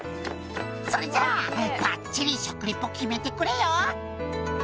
「それじゃあばっちり食リポ決めてくれよ！」